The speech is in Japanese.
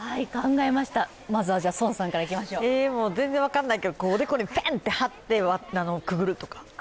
全然分かんないけど、おでこにべんって貼って、くぐるとか？